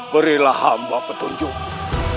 berilah hamba petunjukmu